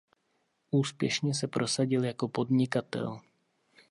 Úspěšně se prosadil jako podnikatel.